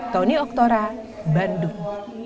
tony oktora bandung